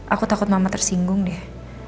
aku takut mama tersinggung deh